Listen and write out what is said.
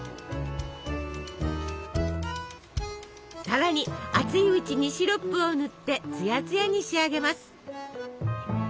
さらに熱いうちにシロップを塗ってツヤツヤに仕上げます。